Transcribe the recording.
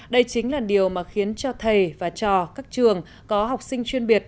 đây chính là điều mà khiến cho thầy và trò các trường có học sinh chuyên biệt